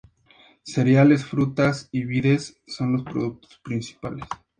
Cereales, frutas y vides son los productos principales.